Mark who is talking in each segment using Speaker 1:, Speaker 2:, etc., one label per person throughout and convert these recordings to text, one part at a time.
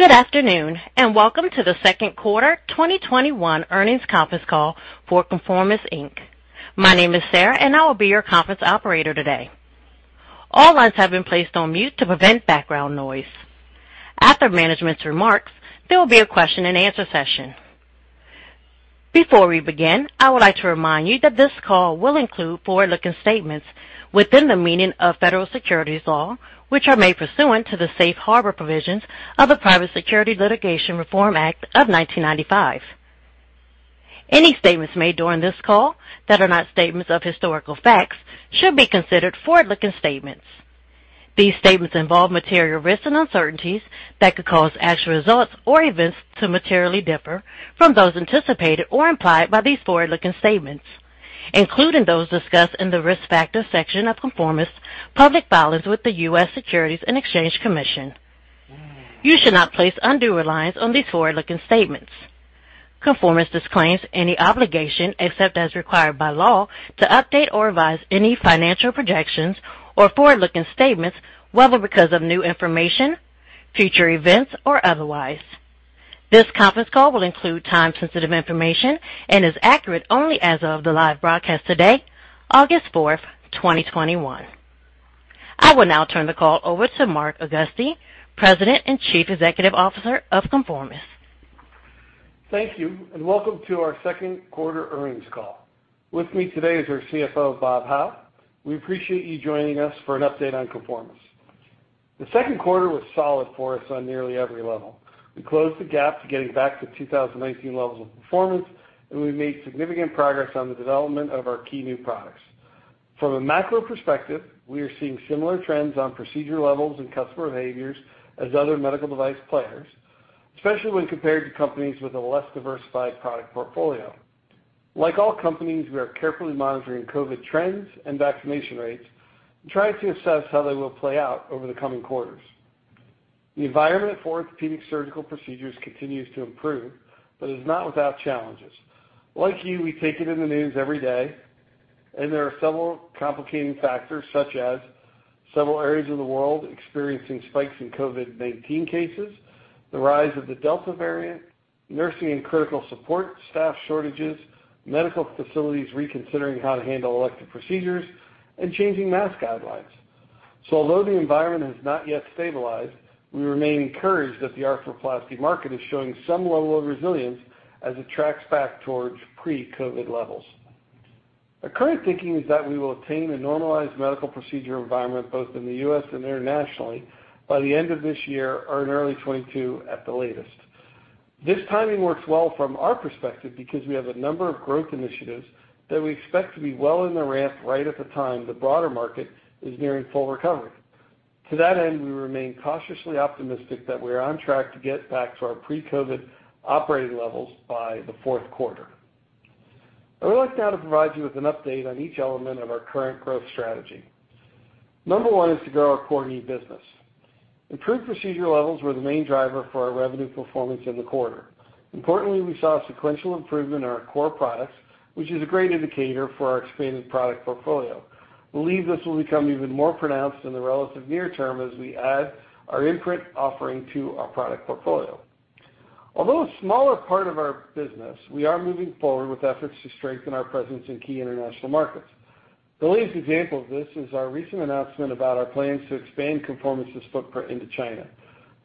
Speaker 1: Good afternoon, welcome to the second quarter 2021 earnings conference call for ConforMIS, Inc. My name is Sarah. I will be your conference operator today. All lines have been placed on mute to prevent background noise. After management's remarks, there will be a question and answer session. Before we begin, I would like to remind you that this call will include forward-looking statements within the meaning of federal securities law, which are made pursuant to the safe harbor provisions of the Private Securities Litigation Reform Act of 1995. Any statements made during this call that are not statements of historical facts should be considered forward-looking statements. These statements involve material risks and uncertainties that could cause actual results or events to materially differ from those anticipated or implied by these forward-looking statements, including those discussed in the Risk Factors section of ConforMIS' public filings with the U.S. Securities and Exchange Commission. You should not place undue reliance on these forward-looking statements. ConforMIS disclaims any obligation, except as required by law, to update or revise any financial projections or forward-looking statements, whether because of new information, future events, or otherwise. This conference call will include time-sensitive information and is accurate only as of the live broadcast today, August 4th, 2021. I will now turn the call over to Mark Augusti, President and Chief Executive Officer of ConforMIS.
Speaker 2: Thank you, and welcome to our second quarter earnings call. With me today is our CFO, Bob Howe. We appreciate you joining us for an update on ConforMIS. The second quarter was solid for us on nearly every level. We closed the gap to getting back to 2019 levels of performance, and we made significant progress on the development of our key new products. From a macro perspective, we are seeing similar trends on procedure levels and customer behaviors as other medical device players, especially when compared to companies with a less diversified product portfolio. Like all companies, we are carefully monitoring COVID trends and vaccination rates and trying to assess how they will play out over the coming quarters. The environment for orthopedic surgical procedures continues to improve, but it is not without challenges. Like you, we take it in the news every day. There are several complicating factors, such as several areas of the world experiencing spikes in COVID-19 cases, the rise of the Delta variant, nursing and critical support staff shortages, medical facilities reconsidering how to handle elective procedures, and changing mask guidelines. Although the environment has not yet stabilized, we remain encouraged that the arthroplasty market is showing some level of resilience as it tracks back towards pre-COVID levels. Our current thinking is that we will attain a normalized medical procedure environment, both in the U.S. and internationally, by the end of this year or in early 2022 at the latest. This timing works well from our perspective because we have a number of growth initiatives that we expect to be well in the ramp right at the time the broader market is nearing full recovery. To that end, we remain cautiously optimistic that we are on track to get back to our pre-COVID operating levels by the fourth quarter. I would like now to provide you with an update on each element of our current growth strategy. Number one is to grow our core knee business. Improved procedure levels were the main driver for our revenue performance in the quarter. Importantly, we saw a sequential improvement in our core products, which is a great indicator for our expanded product portfolio. Believe this will become even more pronounced in the relative near term as we add our Identity Imprint offering to our product portfolio. Although a smaller part of our business, we are moving forward with efforts to strengthen our presence in key international markets. The latest example of this is our recent announcement about our plans to expand ConforMIS' footprint into China.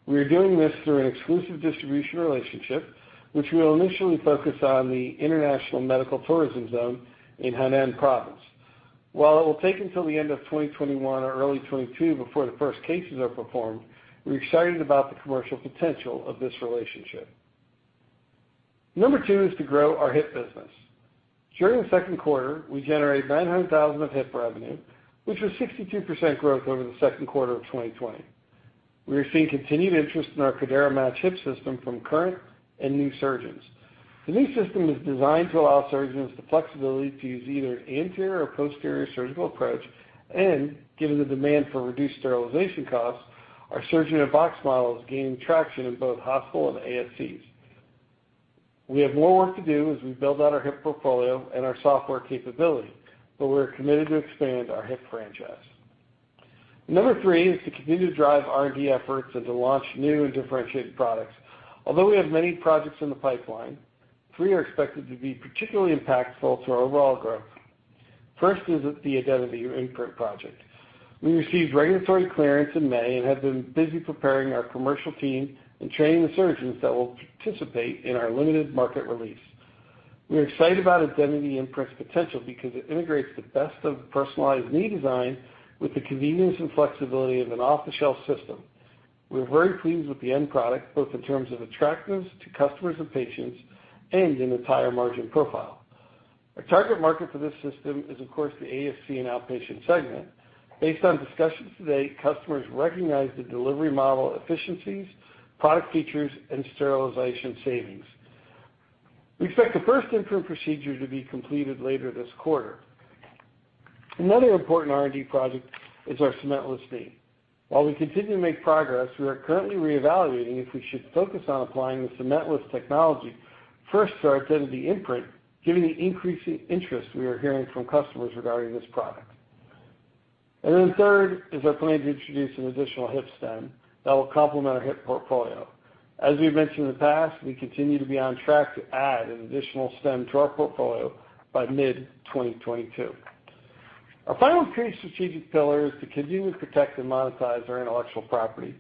Speaker 2: We are doing this through an exclusive distribution relationship, which we'll initially focus on the International Medical Tourism Zone in Hainan province. While it will take until the end of 2021 or early 2022 before the first cases are performed, we're excited about the commercial potential of this relationship. Number two is to grow our hip business. During the second quarter, we generated $900,000 of hip revenue, which was 62% growth over the second quarter of 2020. We are seeing continued interest in our Cordera Match Hip System from current and new surgeons. The new system is designed to allow surgeons the flexibility to use either anterior or posterior surgical approach, and given the demand for reduced sterilization costs, our surgery-in-a-box model is gaining traction in both hospital and ASCs. We have more work to do as we build out our hip portfolio and our software capability, but we're committed to expand our hip franchise. Number three is to continue to drive R&D efforts and to launch new and differentiated products. Although we have many projects in the pipeline, three are expected to be particularly impactful to our overall growth. First is the Identity Imprint project. We received regulatory clearance in May and have been busy preparing our commercial team and training the surgeons that will participate in our limited market release. We are excited about Identity Imprint's potential because it integrates the best of personalized knee design with the convenience and flexibility of an off-the-shelf system. We're very pleased with the end product, both in terms of attractiveness to customers and patients and an entire margin profile. Our target market for this system is, of course, the ASC and outpatient segment. Based on discussions to date, customers recognize the delivery model efficiencies, product features, and sterilization savings. We expect the first Identity Imprint procedure to be completed later this quarter. Another important R&D project is our cementless knee. While we continue to make progress, we are currently reevaluating if we should focus on applying the cementless technology first to our Identity Imprint, given the increasing interest we are hearing from customers regarding this product. Third is our plan to introduce an additional hip stem that will complement our hip portfolio. As we've mentioned in the past, we continue to be on track to add an additional stem to our portfolio by mid-2022. Our final key strategic pillar is to continue to protect and monetize our intellectual property.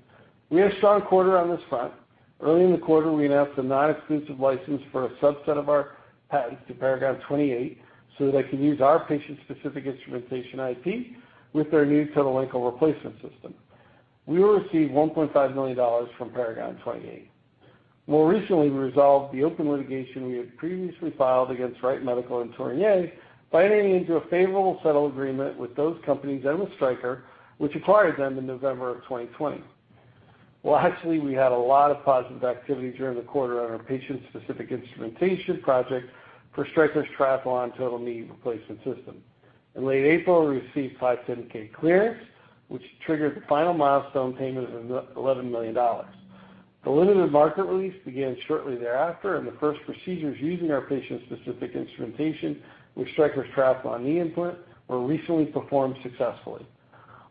Speaker 2: We had a strong quarter on this front. Early in the quarter, we announced a non-exclusive license for a subset of our patents to Paragon 28, so that they can use our patient-specific instrumentation IP with their new total ankle replacement system. We will receive $1.5 million from Paragon 28. More recently, we resolved the open litigation we had previously filed against Wright Medical and Tornier by entering into a favorable settle agreement with those companies and with Stryker, which acquired them in November of 2020. Lastly, we had a lot of positive activity during the quarter on our patient-specific instrumentation project for Stryker's Triathlon total knee replacement system. In late April, we received 510(k) clearance, which triggered the final milestone payment of $11 million. The limited market release began shortly thereafter, and the first procedures using our patient-specific instrumentation with Stryker's Triathlon knee implant were recently performed successfully.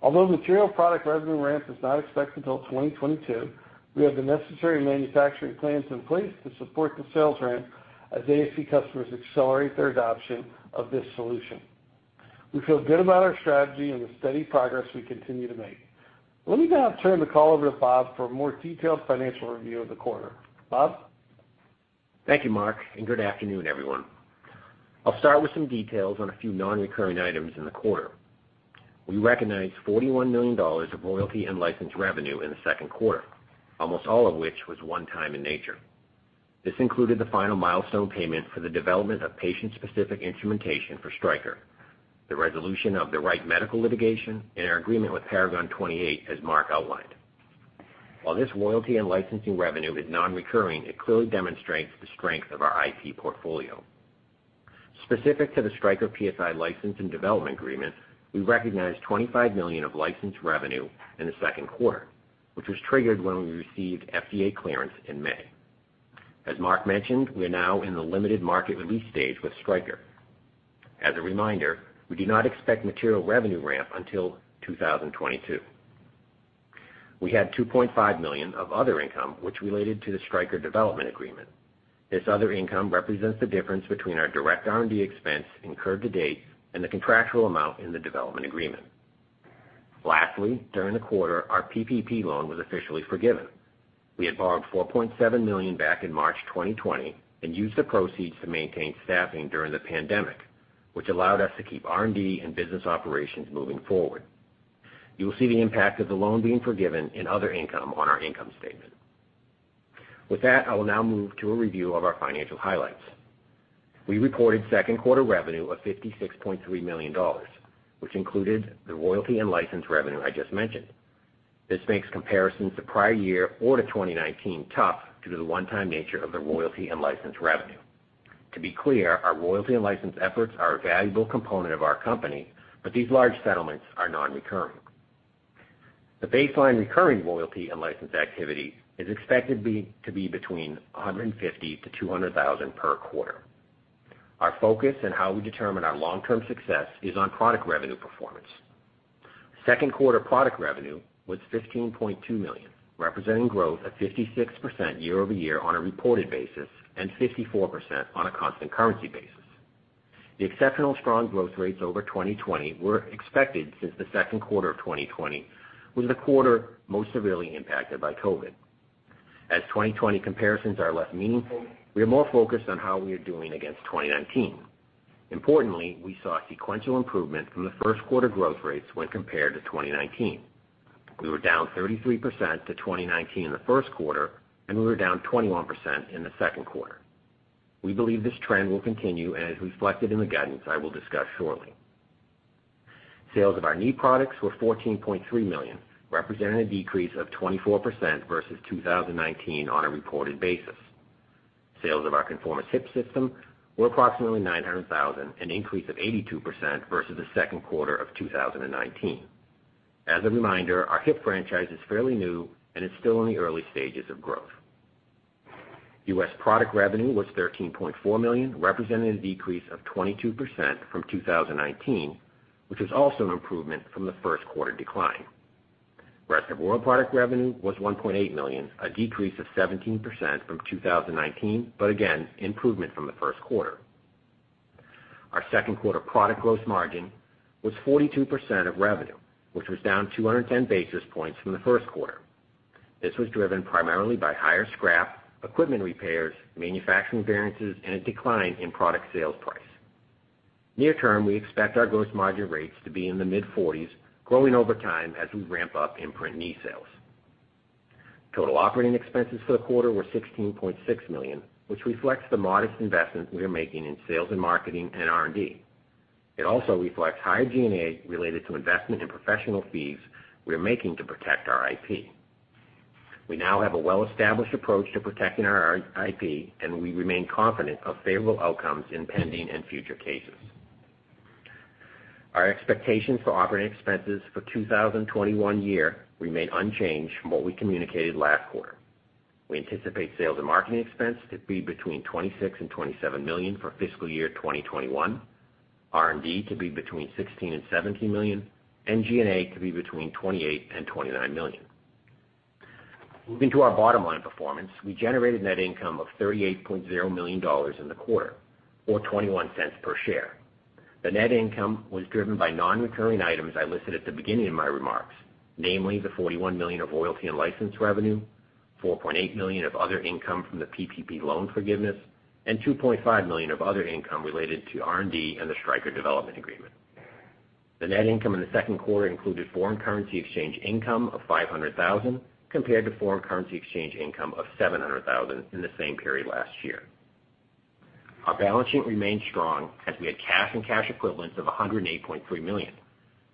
Speaker 2: Although material product revenue ramp is not expected until 2022, we have the necessary manufacturing plans in place to support the sales ramp as ASC customers accelerate their adoption of this solution. We feel good about our strategy and the steady progress we continue to make. Let me now turn the call over to Bob for a more detailed financial review of the quarter. Bob?
Speaker 3: Thank you, Mark, and good afternoon, everyone. I'll start with some details on a few non-recurring items in the quarter. We recognized $41 million of royalty and license revenue in the second quarter, almost all of which was one-time in nature. This included the final milestone payment for the development of patient-specific instrumentation for Stryker, the resolution of the Wright Medical litigation, and our agreement with Paragon 28, as Mark outlined. While this royalty and licensing revenue is non-recurring, it clearly demonstrates the strength of our IP portfolio. Specific to the Stryker PSI license and development agreement, we recognized $25 million of license revenue in the second quarter, which was triggered when we received FDA clearance in May. As Mark mentioned, we are now in the limited market release stage with Stryker. As a reminder, we do not expect material revenue ramp until 2022. We had $2.5 million of other income, which related to the Stryker development agreement. This other income represents the difference between our direct R&D expense incurred to date and the contractual amount in the development agreement. Lastly, during the quarter, our PPP loan was officially forgiven. We had borrowed $4.7 million back in March 2020 and used the proceeds to maintain staffing during the pandemic, which allowed us to keep R&D and business operations moving forward. You will see the impact of the loan being forgiven in other income on our income statement. With that, I will now move to a review of our financial highlights. We reported second quarter revenue of $56.3 million, which included the royalty and license revenue I just mentioned. This makes comparisons to prior year or to 2019 tough due to the one-time nature of the royalty and license revenue. To be clear, our royalty and license efforts are a valuable component of our company, but these large settlements are non-recurring. The baseline recurring royalty and license activity is expected to be between $150,000-$200,000 per quarter. Our focus and how we determine our long-term success is on product revenue performance. Second quarter product revenue was $15.2 million, representing growth at 56% year-over-year on a reported basis and 54% on a constant currency basis. The exceptional strong growth rates over 2020 were expected since the second quarter of 2020 was the quarter most severely impacted by COVID-19. 2020 comparisons are less meaningful. We are more focused on how we are doing against 2019. Importantly, we saw a sequential improvement from the first quarter growth rates when compared to 2019. We were down 33% to 2019 in the first quarter, and we were down 21% in the second quarter. We believe this trend will continue and is reflected in the guidance I will discuss shortly. Sales of our knee products were $14.3 million, representing a decrease of 24% versus 2019 on a reported basis. Sales of our ConforMIS hip system were approximately $900,000, an increase of 82% versus the second quarter of 2019. As a reminder, our hip franchise is fairly new and is still in the early stages of growth. U.S. product revenue was $13.4 million, representing a decrease of 22% from 2019, which is also an improvement from the first quarter decline. Rest of world product revenue was $1.8 million, a decrease of 17% from 2019, but again, improvement from the first quarter. Our second quarter product gross margin was 42% of revenue, which was down 210 basis points from the first quarter. This was driven primarily by higher scrap, equipment repairs, manufacturing variances, and a decline in product sales price. Near term, we expect our gross margin rates to be in the mid-40s, growing over time as we ramp up Imprint knee sales. Total operating expenses for the quarter were $16.6 million, which reflects the modest investment we are making in sales and marketing and R&D. It also reflects higher G&A related to investment in professional fees we're making to protect our IP. We now have a well-established approach to protecting our IP, and we remain confident of favorable outcomes in pending and future cases. Our expectations for operating expenses for 2021 remain unchanged from what we communicated last quarter. We anticipate sales and marketing expense to be between $26 million and $27 million for fiscal year 2021, R&D to be between $16 million and $17 million, and G&A to be between $28 million and $29 million. Moving to our bottom line performance, we generated net income of $38.0 million in the quarter, or $0.21 per share. The net income was driven by non-recurring items I listed at the beginning of my remarks, namely the $41 million of royalty and license revenue, $4.8 million of other income from the PPP loan forgiveness, and $2.5 million of other income related to R&D and the Stryker development agreement. The net income in the second quarter included foreign currency exchange income of $500,000, compared to foreign currency exchange income of $700,000 in the same period last year. Our balance sheet remained strong as we had cash and cash equivalents of $108.3 million,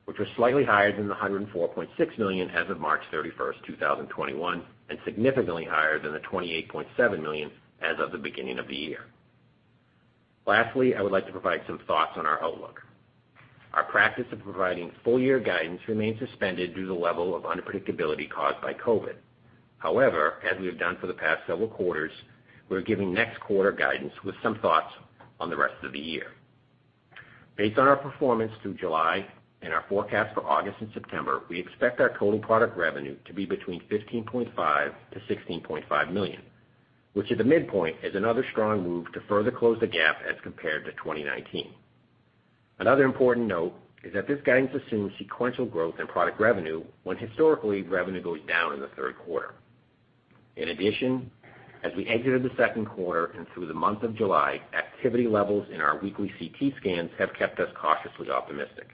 Speaker 3: which was slightly higher than the $104.6 million as of March 31st, 2021, and significantly higher than the $28.7 million as of the beginning of the year. Lastly, I would like to provide some thoughts on our outlook. Our practice of providing full year guidance remains suspended due to the level of unpredictability caused by COVID. However, as we have done for the past several quarters, we're giving next quarter guidance with some thoughts on the rest of the year. Based on our performance through July and our forecast for August and September, we expect our total product revenue to be between $15.5 million-$16.5 million, which at the midpoint is another strong move to further close the gap as compared to 2019. Another important note is that this guidance assumes sequential growth in product revenue, when historically, revenue goes down in the third quarter. In addition, as we exited the second quarter and through the month of July, activity levels in our weekly CT scans have kept us cautiously optimistic.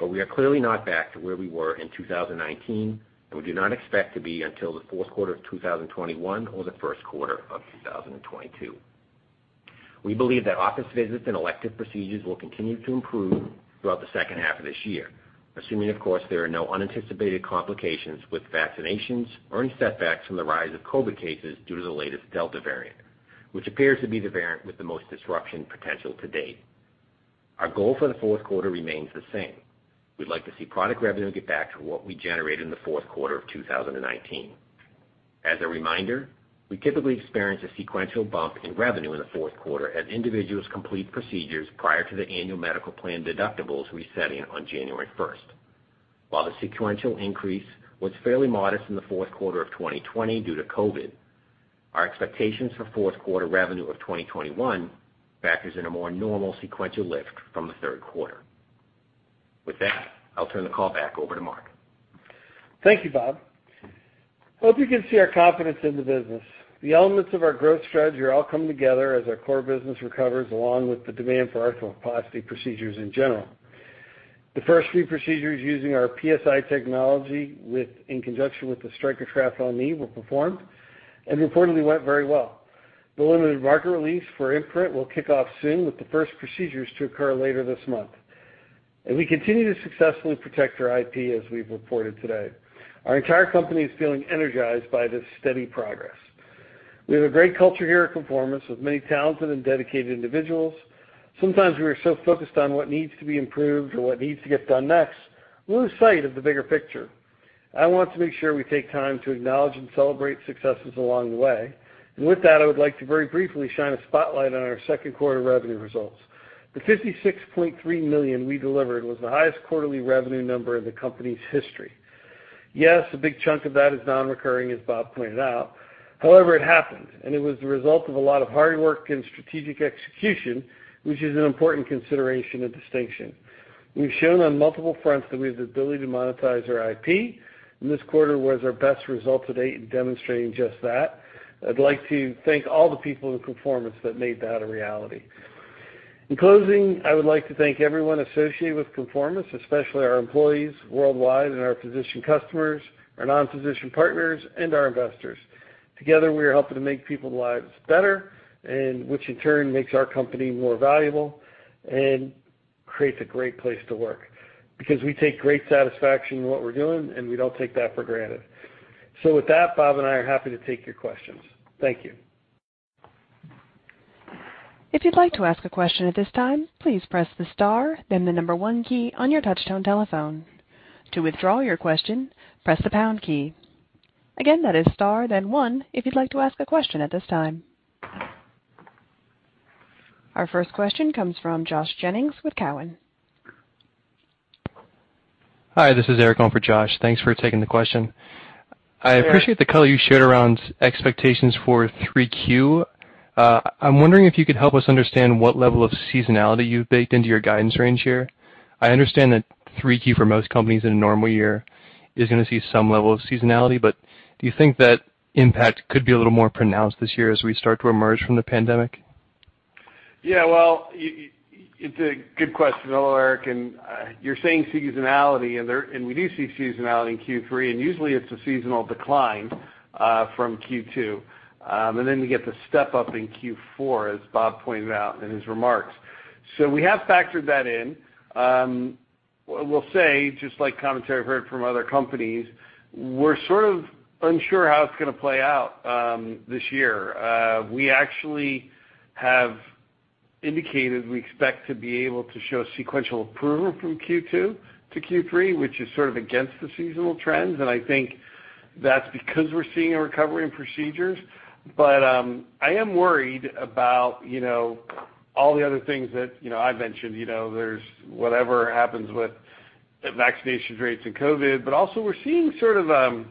Speaker 3: We are clearly not back to where we were in 2019, and we do not expect to be until the fourth quarter of 2021 or the first quarter of 2022. We believe that office visits and elective procedures will continue to improve throughout the second half of this year, assuming of course, there are no unanticipated complications with vaccinations or any setbacks from the rise of COVID cases due to the latest Delta variant, which appears to be the variant with the most disruption potential to date. Our goal for the fourth quarter remains the same. We'd like to see product revenue get back to what we generated in the fourth quarter of 2019. As a reminder, we typically experience a sequential bump in revenue in the fourth quarter as individuals complete procedures prior to their annual medical plan deductibles resetting on January 1st. While the sequential increase was fairly modest in the fourth quarter of 2020 due to COVID, our expectations for fourth quarter revenue of 2021 factors in a more normal sequential lift from the third quarter. With that, I'll turn the call back over to Mark.
Speaker 2: Thank you, Bob. Well, as you can see, our confidence in the business. The elements of our growth strategy are all coming together as our core business recovers, along with the demand for arthroplasty procedures in general. The first three procedures using our PSI technology in conjunction with the Stryker Triathlon knee were performed and reportedly went very well. The limited market release for Identity Imprint will kick off soon with the first procedures to occur later this month. We continue to successfully protect our IP, as we've reported today. Our entire company is feeling energized by this steady progress. We have a great culture here at ConforMIS, with many talented and dedicated individuals. Sometimes we are so focused on what needs to be improved or what needs to get done next, we lose sight of the bigger picture. I want to make sure we take time to acknowledge and celebrate successes along the way. With that, I would like to very briefly shine a spotlight on our second quarter revenue results. The $56.3 million we delivered was the highest quarterly revenue number in the company's history. Yes, a big chunk of that is non-recurring, as Bob pointed out. However, it happened, and it was the result of a lot of hard work and strategic execution, which is an important consideration and distinction. We've shown on multiple fronts that we have the ability to monetize our IP, and this quarter was our best result to date in demonstrating just that. I'd like to thank all the people in ConforMIS that made that a reality. In closing, I would like to thank everyone associated with ConforMIS, especially our employees worldwide and our physician customers, our non-physician partners, and our investors. Together, we are helping to make people's lives better, and which in turn makes our company more valuable and creates a great place to work. We take great satisfaction in what we're doing, and we don't take that for granted. With that, Bob and I are happy to take your questions. Thank you.
Speaker 1: Our first question comes from Josh Jennings with Cowen.
Speaker 4: Hi, this is Eric on for Josh. Thanks for taking the question.
Speaker 2: Sure.
Speaker 4: I appreciate the color you shared around expectations for 3Q. I am wondering if you could help us understand what level of seasonality you have baked into your guidance range here. I understand that 3Q for most companies in a normal year is going to see some level of seasonality, but do you think that impact could be a little more pronounced this year as we start to emerge from the pandemic?
Speaker 2: Yeah. Well, it's a good question, though, Eric, and you're saying seasonality, and we do see seasonality in Q3, and usually it's a seasonal decline from Q2. Then we get the step up in Q4, as Bob pointed out in his remarks. We have factored that in. I will say, just like commentary I've heard from other companies, we're unsure how it's going to play out this year. We actually have indicated we expect to be able to show sequential improvement from Q2 to Q3, which is sort of against the seasonal trends, and I think that's because we're seeing a recovery in procedures. I am worried about all the other things that I've mentioned. There's whatever happens with vaccination rates and COVID, but also we're seeing different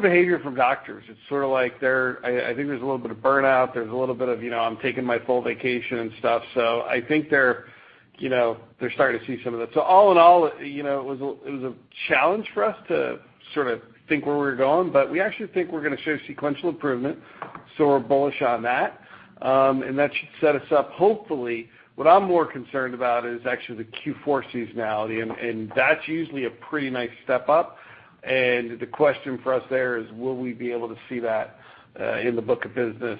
Speaker 2: behavior from doctors. It's sort of like I think there's a little bit of burnout, there's a little bit of, I'm taking my full vacation and stuff. I think they're starting to see some of that. All in all, it was a challenge for us to think where we were going, but we actually think we're going to show sequential improvement, so we're bullish on that. That should set us up, hopefully. What I'm more concerned about is actually the Q4 seasonality, and that's usually a pretty nice step up. The question for us there is will we be able to see that in the book of business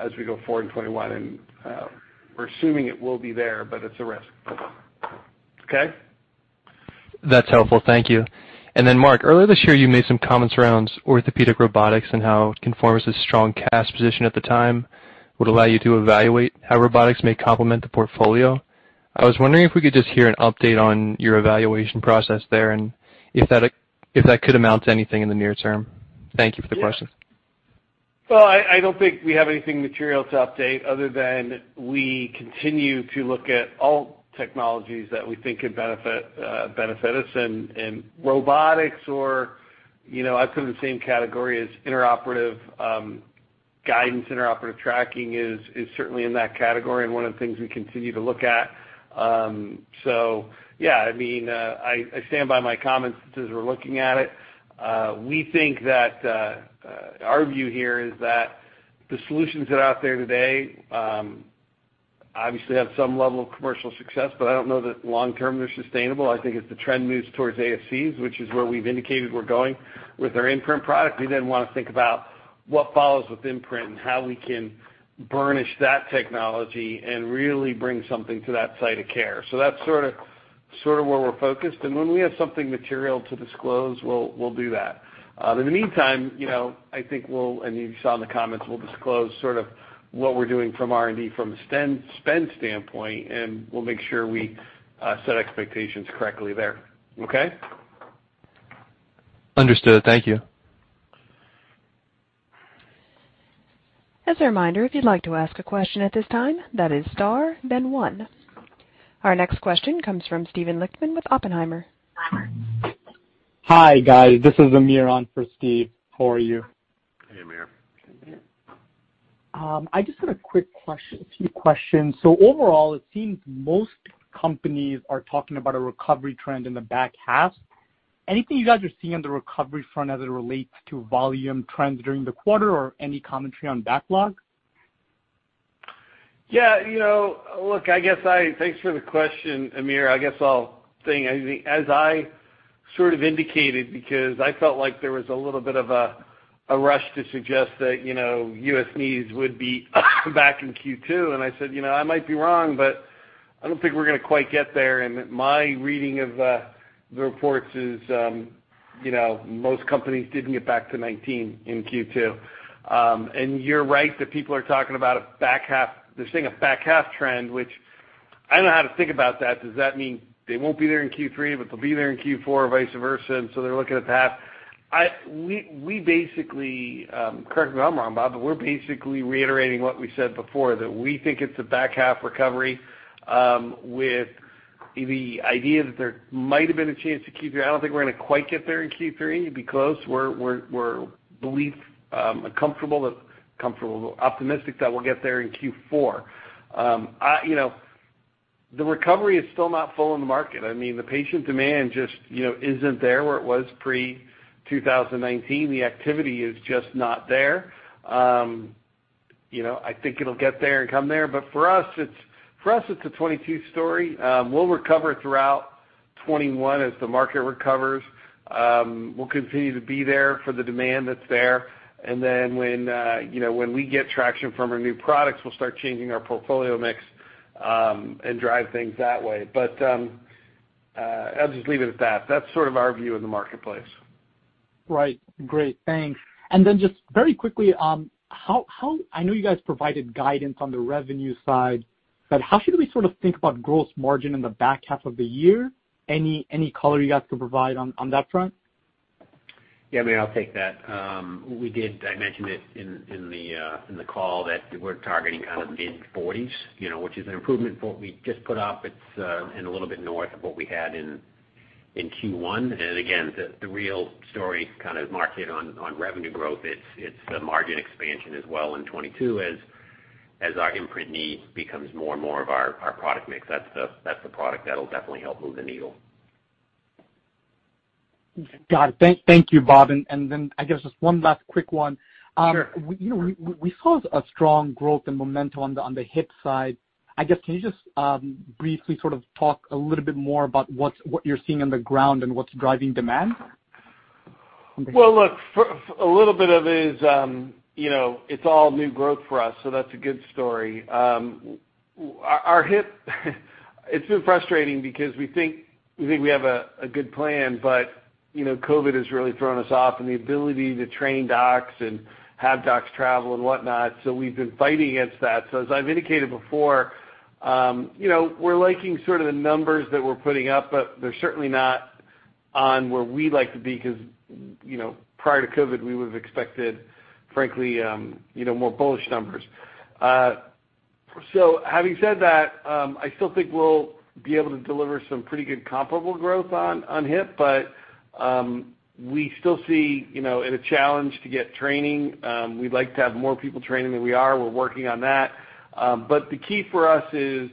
Speaker 2: as we go forward in 2021? We're assuming it will be there, but it's a risk. Okay.
Speaker 4: That's helpful. Thank you. Mark, earlier this year, you made some comments around orthopedic robotics and how ConforMIS' strong cash position at the time would allow you to evaluate how robotics may complement the portfolio. I was wondering if we could just hear an update on your evaluation process there, and if that could amount to anything in the near term. Thank you for the question.
Speaker 2: I don't think we have anything material to update other than we continue to look at all technologies that we think could benefit us in robotics or I'd put it in the same category as intraoperative guidance. Intraoperative tracking is certainly in that category and one of the things we continue to look at. I stand by my comments that says we're looking at it. Our view here is that the solutions that are out there today obviously have some level of commercial success, but I don't know that long term they're sustainable. I think as the trend moves towards ASCs, which is where we've indicated we're going with our Imprint product, we then want to think about what follows with Imprint and how we can burnish that technology and really bring something to that site of care. That's sort of where we're focused. When we have something material to disclose, we'll do that. In the meantime, I think we'll, and you saw in the comments, we'll disclose sort of what we're doing from R&D from a spend standpoint, and we'll make sure we set expectations correctly there. Okay?
Speaker 4: Understood. Thank you.
Speaker 1: As a reminder, if you'd like to ask a question at this time, that is star then 1. Our next question comes from Steven Lichtman with Oppenheimer.
Speaker 5: Hi, guys. This is Amir on for Steven. How are you?
Speaker 2: Hey, Amir.
Speaker 5: I just had a few questions. Overall, it seems most companies are talking about a recovery trend in the back half. Anything you guys are seeing on the recovery front as it relates to volume trends during the quarter, or any commentary on backlog?
Speaker 2: Thanks for the question, Amir. I guess I'll say, as I sort of indicated, because I felt like there was a little bit of a rush to suggest that U.S. knees would be back in Q2, and I said, "I might be wrong," but I don't think we're going to quite get there. My reading of the reports is most companies didn't get back to 2019 in Q2. You're right that people are talking about a back half. They're seeing a back half trend, which I don't know how to think about that. Does that mean they won't be there in Q3, but they'll be there in Q4, vice versa, and so they're looking at the path? Correct me if I'm wrong, Bob, we're basically reiterating what we said before, that we think it's a back half recovery, with the idea that there might've been a chance to Q3. I don't think we're going to quite get there in Q3. It'd be close. We're at least comfortable, optimistic that we'll get there in Q4. The recovery is still not full in the market. The patient demand just isn't there where it was pre-2019. The activity is just not there. I think it'll get there and come there. For us, it's a 2022 story. We'll recover throughout 2021 as the market recovers. We'll continue to be there for the demand that's there. Then when we get traction from our new products, we'll start changing our portfolio mix and drive things that way. I'll just leave it at that. That's sort of our view of the marketplace.
Speaker 5: Right. Great. Thanks. Just very quickly, I know you guys provided guidance on the revenue side, but how should we sort of think about gross margin in the back half of the year? Any color you guys could provide on that front?
Speaker 3: Yeah, Amir, I'll take that. We did, I mentioned it in the call that we're targeting kind of mid-40s%, which is an improvement for what we just put up. It's a little bit north of what we had in Q1. Again, the real story kind of market on revenue growth, it's the margin expansion as well in 2022 as our Imprint knee becomes more and more of our product mix. That's the product that'll definitely help move the needle.
Speaker 5: Got it. Thank you, Bob. I guess just one last quick one.
Speaker 3: Sure.
Speaker 5: We saw a strong growth and momentum on the hip side. I guess, can you just briefly sort of talk a little bit more about what you're seeing on the ground and what's driving demand?
Speaker 2: Look, a little bit of it is it's all new growth for us, that's a good story. Our hip, it's been frustrating because we think we have a good plan, COVID has really thrown us off in the ability to train docs and have docs travel and whatnot, we've been fighting against that. As I've indicated before, we're liking sort of the numbers that we're putting up, they're certainly not on where we'd like to be because prior to COVID, we would've expected, frankly, more bullish numbers. Having said that, I still think we'll be able to deliver some pretty good comparable growth on hip, we still see it a challenge to get training. We'd like to have more people training than we are. We're working on that. The key for us is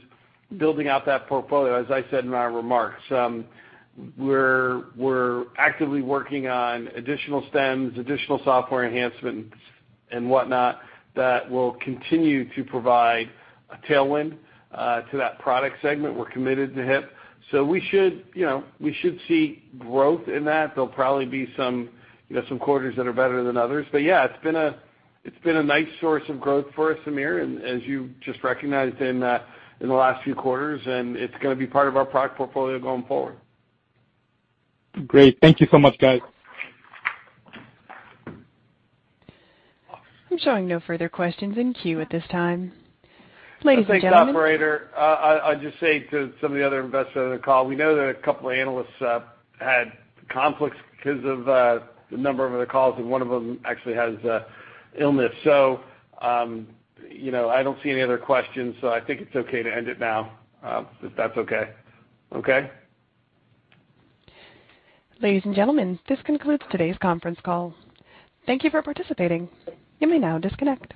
Speaker 2: building out that portfolio, as I said in my remarks. We're actively working on additional stems, additional software enhancements and whatnot that will continue to provide a tailwind to that product segment. We're committed to hip. We should see growth in that. There'll probably be some quarters that are better than others. Yeah, it's been a nice source of growth for us, Amir, as you just recognized in the last few quarters, and it's going to be part of our product portfolio going forward.
Speaker 5: Great. Thank you so much, guys.
Speaker 1: I'm showing no further questions in queue at this time. Ladies and gentlemen.
Speaker 2: Thanks, operator. I'll just say to some of the other investors on the call, we know that a couple of analysts had conflicts because of the number of other calls, and one of them actually has a illness. I don't see any other questions, so I think it's okay to end it now, if that's okay. Okay?
Speaker 1: Ladies and gentlemen, this concludes today's conference call. Thank you for participating. You may now disconnect.